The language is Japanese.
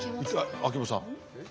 秋元さん。